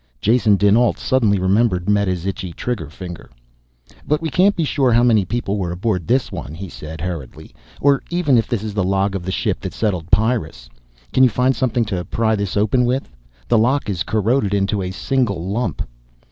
Jason dinAlt suddenly remembered Meta's itchy trigger finger. "But we can't be sure how many people were aboard this one," he said hurriedly. "Or even if this is the log of the ship that settled Pyrrus. Can you find something to pry this open with? The lock is corroded into a single lump."